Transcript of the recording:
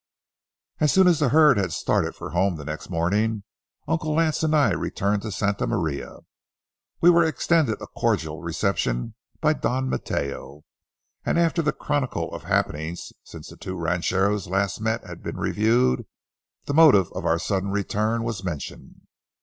As soon as the herd had started for home the next morning, Uncle Lance and I returned to Santa Maria. We were extended a cordial reception by Don Mateo, and after the chronicle of happenings since the two rancheros last met had been reviewed, the motive of our sudden return was mentioned.